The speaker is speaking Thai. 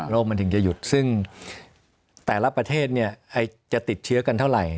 มันถึงจะหยุดซึ่งแต่ละประเทศจะติดเชื้อกันเท่าไหร่